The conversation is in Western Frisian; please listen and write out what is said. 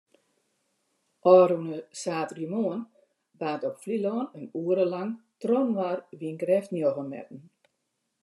Ofrûne saterdeitemoarn waard op Flylân in oere lang trochinoar wynkrêft njoggen metten.